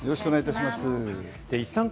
よろしくお願いします。